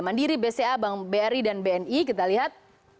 mandiri bca bank bri dan bni kita lihat